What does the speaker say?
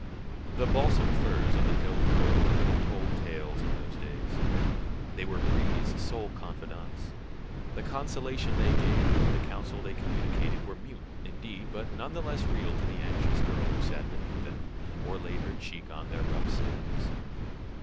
The balsam firs of the hill grove could have told tales in those days. They were Brie's sole confidants. The consolation they gave, the counsel they communicated, were mute, indeed, but none the less real to the anxious girl who sat beneath them, or laid her cheek on their rough stems.